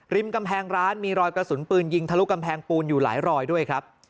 กำแพงร้านมีรอยกระสุนปืนยิงทะลุกำแพงปูนอยู่หลายรอยด้วยครับ